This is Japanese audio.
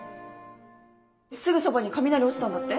すぐそばに雷落ちたんだって？